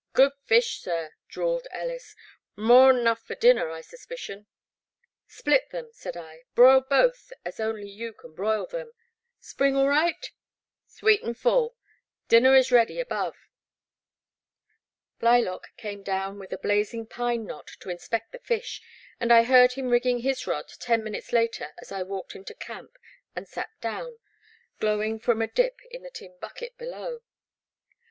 Good fish, sir,'' drawled Ellis, *• mor'n 'nuflF for dinner, I suspicion." Split them," said I, broil both as only you can broil them. Spring all right ?''Sweet an' full. Dinner is ready above." Blylock came down with a blazing pine knot to inspect the fish, and I heard him rigging his rod ten minutes later as I walked into camp and sat down, glowing from a dip in the tin bucket below.